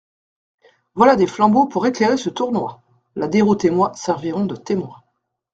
Voilà des flambeaux pour éclairer ce tournoi ; la Déroute et moi servirons de témoins.